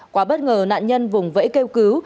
quá bất ngờ nạn nhân vùng vẫy kêu cứu